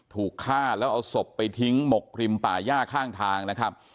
ถูกฆ่าแล้วเอาศพไปทิ้งหมกริมป่าย่าข้างทางนะครับ